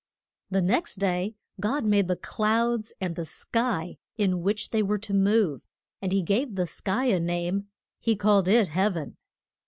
The next day God made the clouds, and the sky in which they were to move; and he gave the sky a name; he called it Heav en.